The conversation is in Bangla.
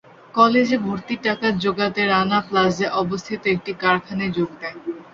কলেজে ভর্তির টাকা জোগাতে রানা প্লাজায় অবস্থিত একটি কারখানায় যোগ দেয়।